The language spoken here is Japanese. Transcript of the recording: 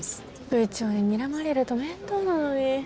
部長ににらまれると面倒なのに。